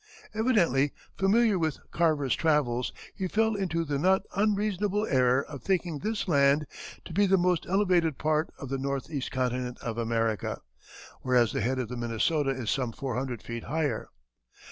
Evidently familiar with Carver's travels, he fell into the not unreasonable error of thinking this land "to be the most elevated part of the northeast continent of America," whereas the head of the Minnesota is some four hundred feet higher.